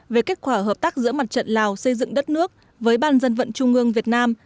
về kết quả hợp tác giữa mặt trận lào xây dựng đất nước với ban dân vận trung ương việt nam